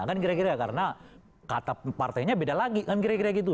kan kira kira karena kata partainya beda lagi kan kira kira gitu